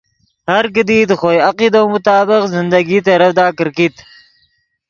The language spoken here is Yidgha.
ہر کیدی دے خوئے عقیدو مطابق زندگی ترڤدا کرکیت